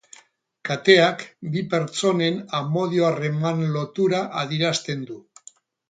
Kateak bi pertsonen amodio harreman lotura adierazten du.